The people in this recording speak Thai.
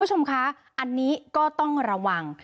คุณผู้ชมคะอันนี้ก็ต้องระวัง